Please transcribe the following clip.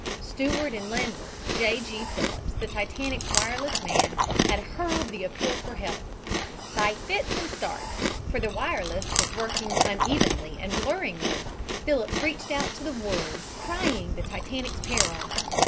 Seaward and landward, J. G. Phillips, the Titanic's wireless man, had hurled the appeal for help. By fits and starts for the wireless was working unevenly and blurringly Phillips reached out to the world, crying the Titanic's peril.